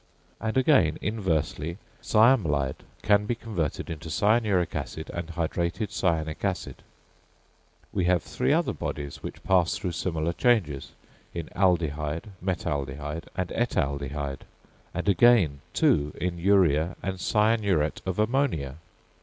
And, again inversely, cyamelide can be converted into cyanuric acid and hydrated cyanic acid. We have three other bodies which pass through similar changes, in aldehyde, metaldehyde, and etaldehyde; and, again two, in urea and cyanuret of ammonia.